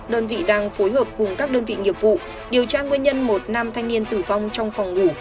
đơn vị đang phối hợp cùng các đơn vị nghiệp vụ điều tra nguyên nhân một nam thanh niên tử vong trong phòng ngủ